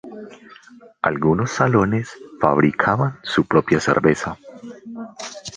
Algunos salones fabricaban su propia cerveza.